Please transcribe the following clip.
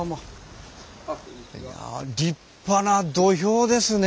立派な土俵ですね。